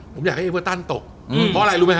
ผมอยากให้เอเวอร์ตันตกเพราะอะไรรู้ไหมฮ